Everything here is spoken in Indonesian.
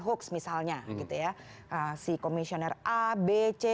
hoax misalnya gitu ya si komisioner a b c